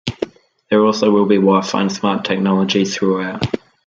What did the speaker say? There also will be Wi-Fi and smart technology throughout.